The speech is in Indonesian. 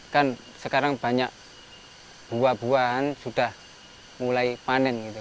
kan sekarang banyak buah buahan sudah mulai panen gitu